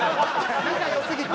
仲良すぎて？